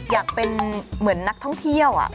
อยากเป็นเหมือนนักท่องเที่ยว